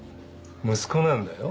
息子なんだよ。